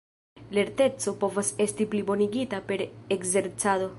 Lerteco povas esti plibonigita per ekzercado.